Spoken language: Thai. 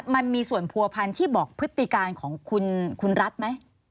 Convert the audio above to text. มันมีส่วนผัวพันธ์ที่บอกพฤติการของคุณรัฐไหม